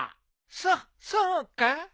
そそうか？